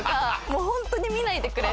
もう本当に見ないでくれ！